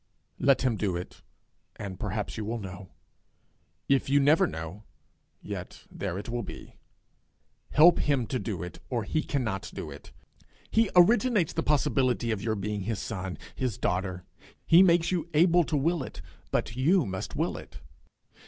Let him do it, and perhaps you will know; if you never know, yet there it will be. Help him to do it, or he cannot do it. He originates the possibility of your being his son, his daughter; he makes you able to will it, but you must will it.